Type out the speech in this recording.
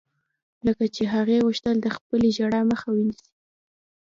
لکه چې هغې غوښتل د خپلې ژړا مخه ونيسي.